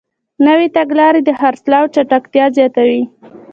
نوې تګلارې د خرڅلاو چټکتیا زیاتوي.